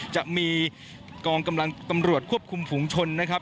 จะมีกองกำลังตำรวจควบคุมฝุงชนนะครับ